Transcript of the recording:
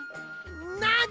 なに？